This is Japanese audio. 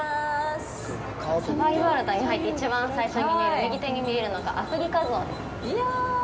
サファリワールドに入って一番最初に見える、右手に見えるのがアフリカゾウです。